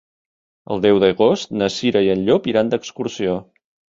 El deu d'agost na Cira i en Llop iran d'excursió.